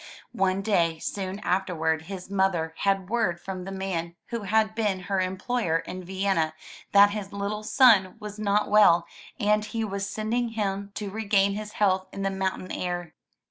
One day soon afterward his mother had word from the man who had been her employer in Vienna that his little son was not well and he was sending him to regain his health in the mountain air.